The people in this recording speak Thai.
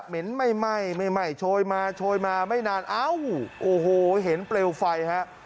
เหม็นไหม้โชยมาโชยมาไม่นานอ้าวโอ้โหเห็นเปลวไฟฮะ